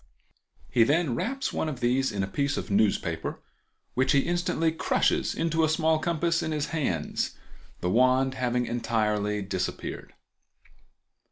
He then wraps one of these in a piece of newspaper which he instantly crushes into a small compass in his hands, the wand having entirely disappeared.